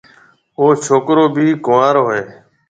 او ڇوڪرو ڀِي ڪنوارو هيَ۔